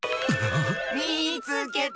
みつけた！